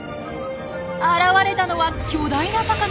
現れたのは巨大な魚。